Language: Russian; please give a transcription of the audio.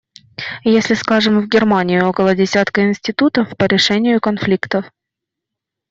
Если, скажем, в Германии около десятка институтов по решению конфликтов.